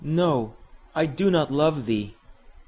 —no! I do not love thee!